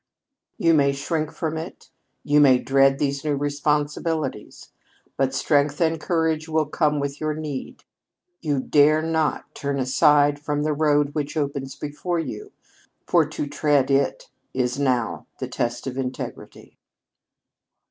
"You may shrink from it; you may dread these new responsibilities; but strength and courage will come with your need. You dare not turn aside from the road which opens before you, for to tread it is now the test of integrity."